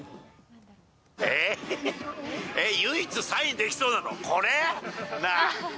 えー、唯一サインできそうなの、これ？なあ。